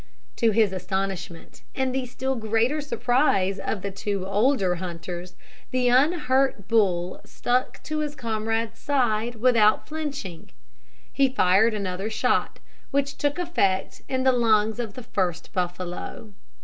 To his astonishment, and the still greater surprise of two older hunters, the unhurt bull stuck to his comrade's side without flinching. He fired another shot, which took effect in the lungs of the first buffalo.